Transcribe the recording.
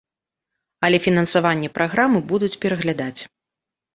Але фінансаванне праграмы будуць пераглядаць.